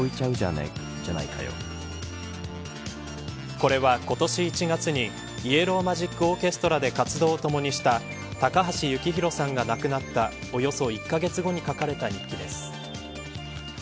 これは今年１月にイエロー・マジック・オーケストラで活動を共にした高橋幸宏さんが亡くなったおよそ１カ月後に書かれた日記です。